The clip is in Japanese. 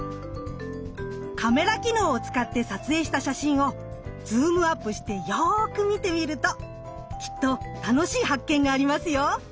カメラ機能を使って撮影した写真をズームアップしてよく見てみるときっと楽しい発見がありますよ！